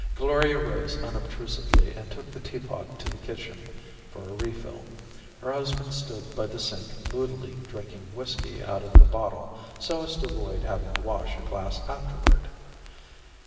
Gloria rose unobtrusively and took the teapot to the kitchen for a refill. Her husband stood by the sink moodily drinking whiskey out of the bottle so as to avoid having to wash a glass afterward.